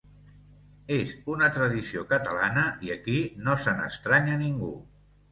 És una tradició catalana i aquí no se n’estranya ningú.